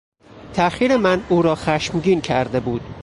تاخیر من او را خشمگین کرده بود.